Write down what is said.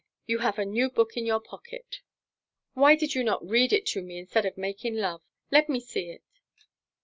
You have a new book in your pocket. Why did you not read it to me instead of making love? Let me see it."